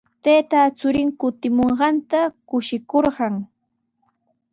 Taytan churin kutimunqanta kushikurqan.